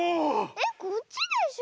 えっこっちでしょ。